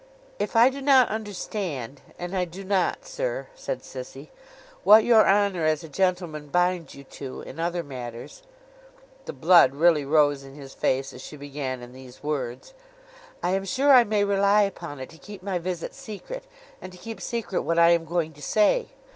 'If I do not understand—and I do not, sir'—said Sissy, 'what your honour as a gentleman binds you to, in other matters:' the blood really rose in his face as she began in these words: 'I am sure I may rely upon it to keep my visit secret, and to keep secret what I am going to say.